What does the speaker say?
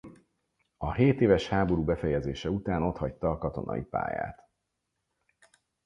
A hétéves háború befejezése után otthagyta a katonai pályát.